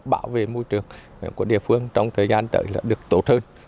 bảo vệ môi trường của địa phương trong thời gian tới là được tốt hơn